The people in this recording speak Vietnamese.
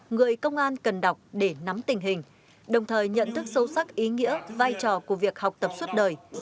người công an cần đọc để nắm tình hình đồng thời nhận thức sâu sắc ý nghĩa vai trò của việc học tập suốt đời